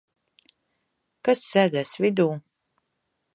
Kas sēdēs vidū?